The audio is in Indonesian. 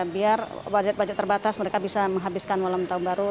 biar wajah wajah terbatas mereka bisa menghabiskan malam tahun baru